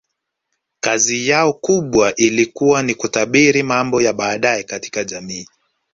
Kazi yao kubwa ilikuwa ni kutabiri mambo ya baadaye katika jamii